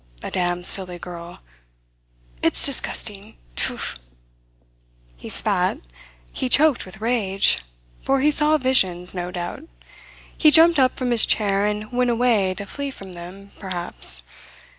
A damn silly girl ... It's disgusting tfui!" He spat. He choked with rage for he saw visions, no doubt. He jumped up from his chair, and went away to flee from them perhaps.